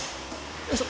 よいしょ。